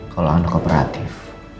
kalau anda kooperatif